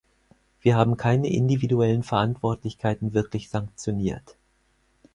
Wir haben keine individuellen Verantwortlichkeiten wirklich sanktioniert.